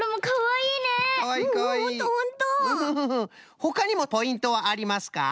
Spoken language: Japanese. ほかにもポイントはありますか？